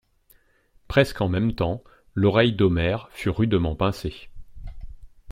Presque en même temps, l'oreille d'Omer fut rudement pincée.